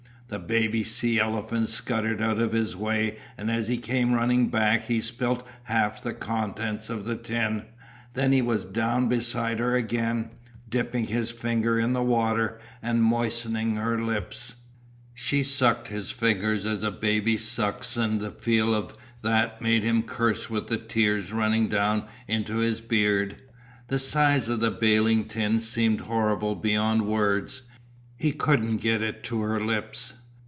The baby sea elephants scuttered out of his way and as he came running back he spilt half the contents of the tin. Then he was down beside her again, dipping his finger in the water and moistening her lips. She sucked his finger as a baby sucks and the feel of that made him curse with the tears running down into his beard. The size of the baling tin seemed horrible beyond words; he couldn't get it to her lips.